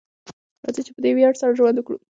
راځئ چې په دې ویاړ سره ژوند وکړو.